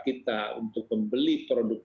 kita untuk membeli produk